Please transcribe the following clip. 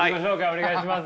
お願いします。